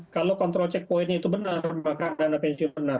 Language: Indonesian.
kalau kontrol checkpointnya itu benar maka dana pensiun benar